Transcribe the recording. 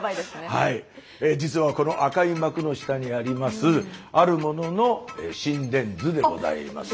実はこの赤い幕の下にありますあるものの心電図でございます。